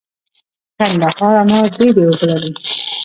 د کندهار انار ډیرې اوبه لري.